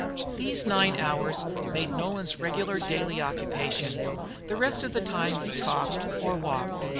These nine hours made Nolan's regular daily "occupation." The rest of the time he talked or walked.